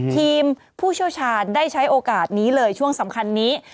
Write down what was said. ทีมผู้โชชานได้ใช้โอกาสนี้เลยช่วงสำคัญนี้